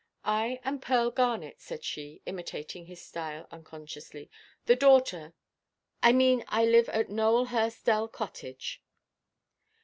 "I am Pearl Garnet," said she, imitating his style unconsciously, "the daughter—I mean I live at Nowelhurst Dell Cottage."